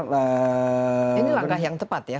langkah ini langkah yang tepat ya